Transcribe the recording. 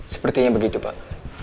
sepertinya begitu pak